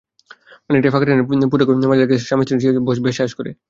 অনেকটাই ফাঁকা ট্রেনে পুত্রকে মাঝে রেখে স্বামী-স্ত্রী সামনা-সামনি বসেছি বেশ আয়েশ করে।